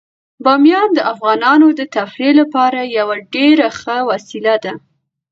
بامیان د افغانانو د تفریح لپاره یوه ډیره ښه وسیله ده.